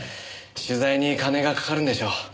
取材に金がかかるんでしょう。